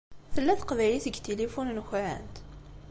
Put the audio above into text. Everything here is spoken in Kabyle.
Tella teqbaylit deg tilifu-nkent?